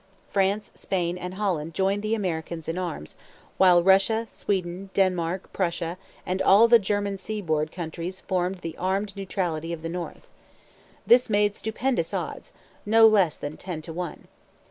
France, Spain, and Holland joined the Americans in arms; while Russia, Sweden, Denmark, Prussia, and all the German seaboard countries formed the Armed Neutrality of the North. This made stupendous odds no less than ten to one.